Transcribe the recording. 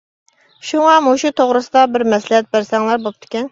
شۇڭا، مۇشۇ توغرىسىدا بىر مەسلىھەت بەرسەڭلار بوپتىكەن.